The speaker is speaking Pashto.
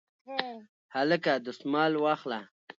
هلکه دستمال واخله